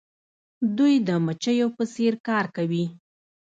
دوی د مچیو په څیر کار کوي.